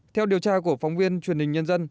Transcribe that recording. theo điều tra của phóng viên truyền hình nhân dân